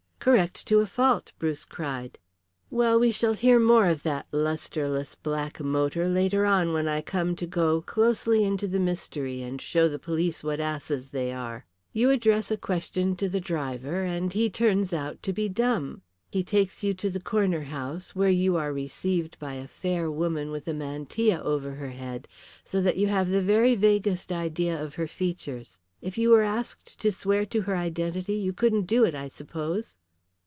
"Correct to a fault," Bruce cried. "Well, we shall hear more of that lustreless black motor later on when I come to go closely into the mystery and show the police what asses they are. You address a question to the driver and he turns out to be dumb. He takes you to the corner house, where you are received by a fair woman with a mantilla over her head so that you have the very vaguest idea of her features. If you were asked to swear to her identity you couldn't do it I suppose?"